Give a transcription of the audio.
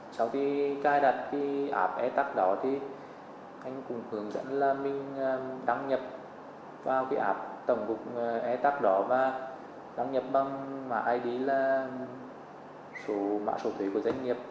sau khi cài đặt thì ảp e tắc đỏ thì anh cũng hướng dẫn là mình đăng nhập vào cái ảp tổng cục e tắc đỏ và đăng nhập bằng mạng